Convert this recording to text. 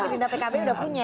karena pdip sudah punya